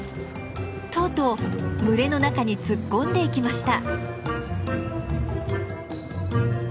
とうとう群れの中に突っ込んでいきました。